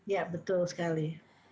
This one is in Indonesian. ya betul sekali